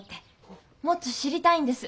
もっと知りたいんです。